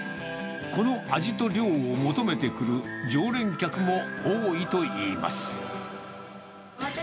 この味と量を求めて来る常連客も多いといいます。